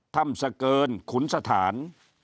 ธรรมสเกินขุนสถาน